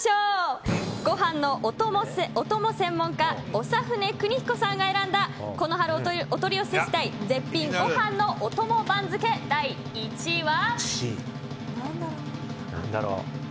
ご飯のお供専門家長船クニヒコさんが選んだこの春お取り寄せしたい絶品ご飯のお供番付第１位は。